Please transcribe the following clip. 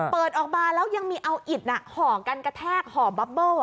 เปิดออกมาแล้วยังมีเอาอิดห่อกันกระแทกห่อบับเบิ้ล